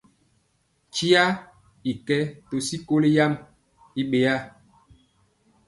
Nkye i kɛ to sikoli yam i ɓeyaa.